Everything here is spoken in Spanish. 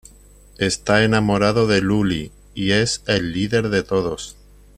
Está enamorado de Luli y es el líder de todos.